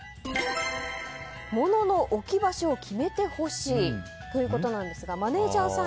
物の置き場所を決めてほしいということなんですがマネジャーさん